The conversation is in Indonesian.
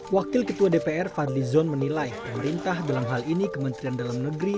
wakil ketua dpr fadli zon menilai pemerintah dalam hal ini kementerian dalam negeri